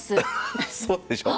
そうでしょ。